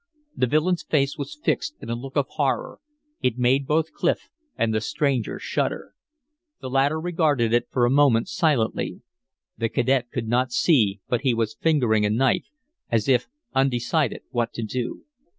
The villain's face was fixed in a look of horror; it made both Clif and the stranger shudder. The latter regarded it for a moment silently. The cadet could not see, but he was fingering a knife, as if undecided what to do.